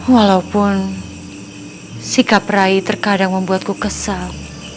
walaupun sikap rai terkadang membuatku kesal